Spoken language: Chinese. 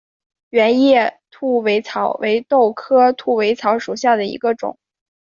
圆叶兔尾草为豆科兔尾草属下的一个种。